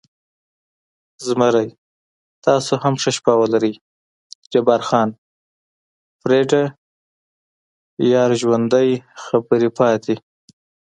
زمري: تاسې هم ښه شپه ولرئ، جبار خان: فرېډه، یار ژوندی، خبرې پاتې.